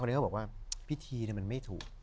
น้าเค้าบอกว่าพิธีนี้มันไม่ถูก